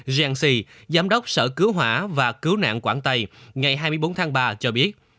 giang xì giám đốc sở cứu hỏa và cứu nạn quảng tây ngày hai mươi bốn tháng ba cho biết